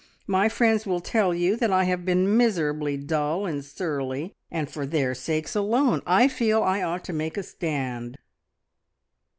My friends will tell you that I have been miserably dull and surly, and for their sakes alone I feel I ought to make a stand."